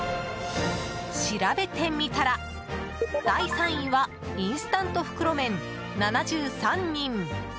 調べてみたら、第３位はインスタント袋麺、７３人。